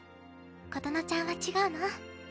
琴乃ちゃんは違うの？